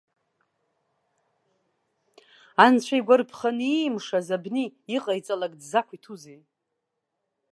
Анцәа игәарԥханы иимшаз абни, иҟаиҵалак дзақәиҭузеи?